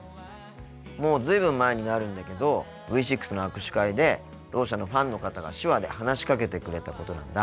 もう随分前になるんだけどＶ６の握手会でろう者のファンの方が手話で話しかけてくれたことなんだ。